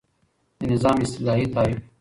د نظام اصطلاحی تعریف